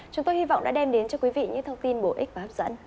chúng tôi hy vọng đã đem đến cho quý vị những thông tin bổ ích và hấp dẫn